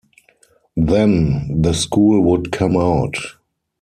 Then the school would come out.